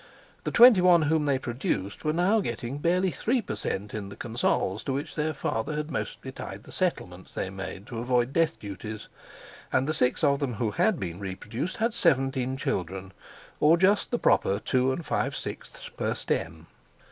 The twenty one whom they produced were now getting barely three per cent. in the Consols to which their father had mostly tied the Settlements they made to avoid death duties, and the six of them who had been reproduced had seventeen children, or just the proper two and five sixths per stem.